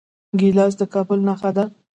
ګیلاس د کابل نښه ده.